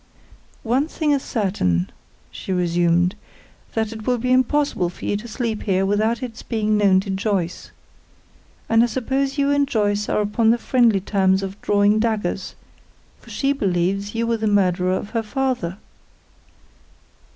"One thing is certain," she resumed, "that it will be impossible for you to sleep here without its being known to Joyce. And I suppose you and Joyce are upon the friendly terms of drawing daggers, for she believes you were the murderer of her father."